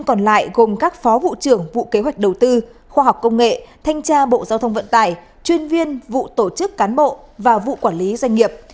còn lại gồm các phó vụ trưởng vụ kế hoạch đầu tư khoa học công nghệ thanh tra bộ giao thông vận tải chuyên viên vụ tổ chức cán bộ và vụ quản lý doanh nghiệp